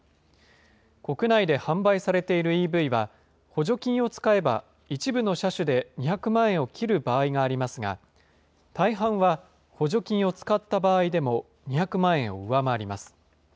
国内で販売されているＥＶは、補助金を使えば一部の車種で２００万円を切る場合がありますが、大半は補助金を使った場合でも２００万円を上回ります。